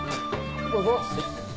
どうぞ。